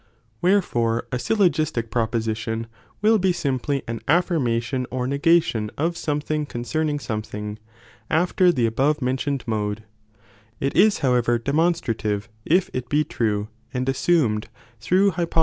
Wherefore a fjOogiBtic prbposilion wiETiesimplyan affirma Ji't'^p^r^^S' tion or negation of something concerning some thing, al'ter the above mentioned mode : it is however demon ■bUive if it be true, and assumed through liypo